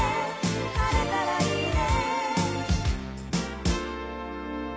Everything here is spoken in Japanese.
「晴れたらいいね」